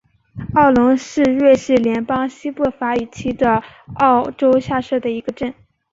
奥龙是瑞士联邦西部法语区的沃州下设的一个镇。